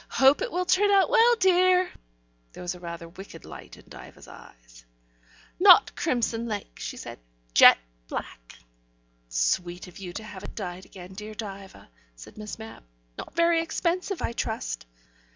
"Hope it will turn out well, dear." There was rather a wicked light in Diva's eyes. "Not crimson lake," she said. "Jet black." "Sweet of you to have it dyed again, dear Diva," said Miss Mapp. "Not very expensive, I trust?"